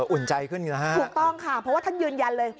อุ่นใจขึ้นนะฮะถูกต้องค่ะเพราะว่าท่านยืนยันเลย